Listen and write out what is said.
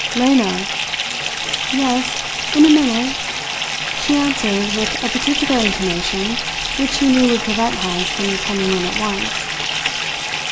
"Lena!" "Yes! In a minute," she answered with a particular intonation which she knew would prevent Heyst from coming in at once.